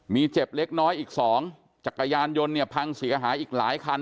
มีเจ็บเล็กน้อยอีกสองจักรยานยนต์เนี่ยพังเสียหายอีกหลายคัน